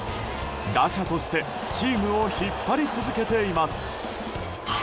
打者としてチームを引っ張り続けています。